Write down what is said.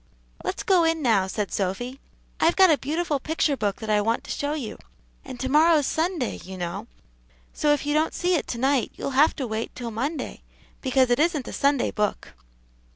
"Let's go in now," said Sophy; "I've got a beautiful picture book that I want to show you; and to morrow's Sunday, you know, so if you don't see it to night, you'll have to wait till Monday, because it isn't a Sunday book."